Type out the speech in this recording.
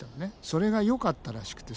それがよかったらしくてさ。